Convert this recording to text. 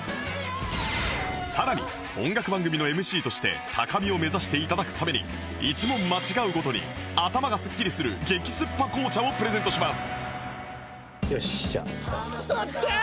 さらに音楽番組の ＭＣ として高みを目指して頂くために１問間違うごとに頭がすっきりする激スッパ紅茶をプレゼントします